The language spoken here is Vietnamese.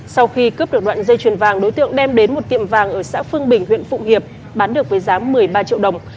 sau khi cướp được đoạn dây chuyền vàng đối tượng đem đến một tiệm vàng ở xã phương bình huyện phụng hiệp bán được với giá một mươi ba triệu đồng